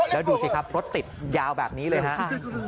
แล้วดูสิครับรถติดยาวแบบนี้เลยครับ